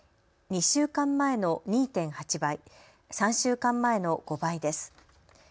２週間前の２．８倍、３週間前の５倍です。